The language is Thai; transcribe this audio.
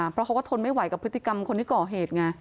เพราะเขาก็ทนไม่ไหวกับพฤติกรรมคนที่ก่อเหตุไง